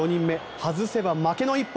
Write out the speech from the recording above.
外せば負けの一本。